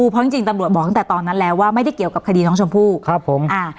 เพราะจริงจริงตำรวจบอกตั้งแต่ตอนนั้นแล้วว่าไม่ได้เกี่ยวกับคดีน้องชมพู่ครับผมอ่า